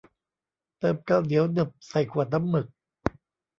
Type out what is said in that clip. เติมกาวเหนียวหนึบใส่ขวดน้ำหมึก